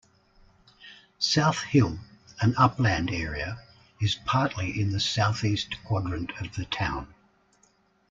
South Hill, an upland area, is partly in the southeast quadrant of the town.